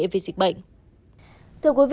vì dịch bệnh